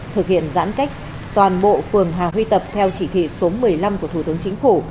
thực hiện giãn cách toàn bộ phường hà huy tập theo chỉ thị số một mươi năm của thủ tướng chính phủ